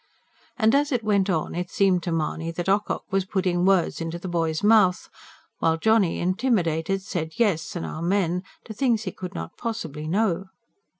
And as it went on, it seemed to Mahony that Ocock was putting words into the boy's mouth; while Johnny, intimidated, said yes and amen to things he could not possibly know.